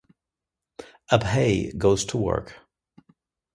Abhay goes to work.